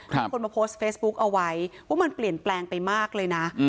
มีคนมาโพสต์เฟซบุ๊คเอาไว้ว่ามันเปลี่ยนแปลงไปมากเลยนะ